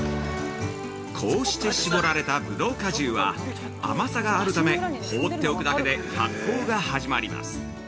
◆こうして搾られたぶどう果汁は甘さがあるため放っておくだけで発酵が始まります。